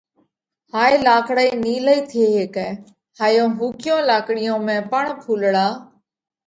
هائي لاڪڙئِي نِيلئِي ٿي هيڪئه۔ هائيون ۿُوڪِيون لاڪڙِيون ۾ پڻ پونَڙا